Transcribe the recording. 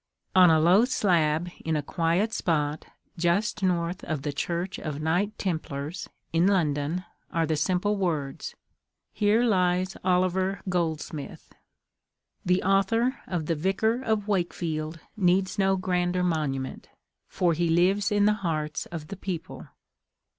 On a low slab in a quiet spot, just north of the Church of Knight Templars, in London, are the simple words, "Here lies Oliver Goldsmith." The author of the "Vicar of Wakefield" needs no grander monument; for he lives in the hearts of the people.